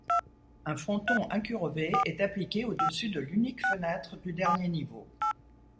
Un fronton incurvé est appliqué au-dessus de l'unique fenêtre du dernier niveau.